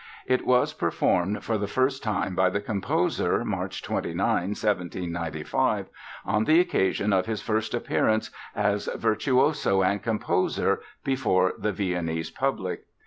It was performed for the first time by the composer March 29, 1795, on the occasion of his first appearance "as virtuoso and composer" before the Viennese public.